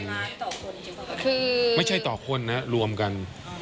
คือไม่ใช่ต่อคนนะรวมกัน